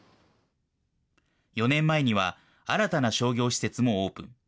４年前には新たな商業施設もオープン。